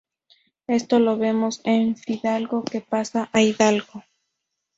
Esto lo vemos en fidalgo que pasa a hidalgo.